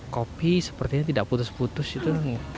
kopi sepertinya tidak putus putus itu